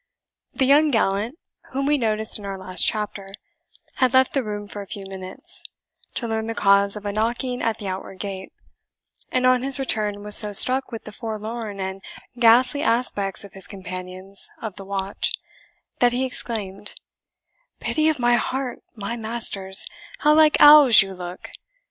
The young gallant, whom we noticed in our last chapter, had left the room for a few minutes, to learn the cause of a knocking at the outward gate, and on his return was so struck with the forlorn and ghastly aspects of his companions of the watch that he exclaimed, "Pity of my heart, my masters, how like owls you look!